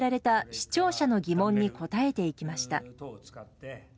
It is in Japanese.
視聴者の疑問に答えていきました。